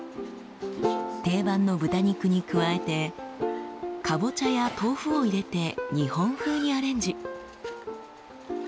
定番の豚肉に加えてかぼちゃや豆腐を入れて日本風にアレンジ。